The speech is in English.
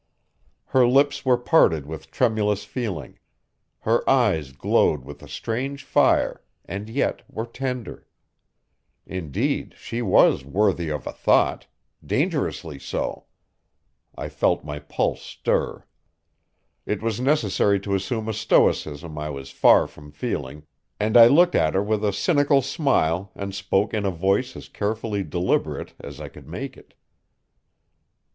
Her lips were parted with tremulous feeling; her eyes glowed with a strange fire, and yet were tender. Indeed, she was "worthy of a thought" dangerously so; I felt my pulse stir. It was necessary to assume a stoicism I was far from feeling, and I looked at her with a cynical smile and spoke in a voice as carefully deliberate as I could make it.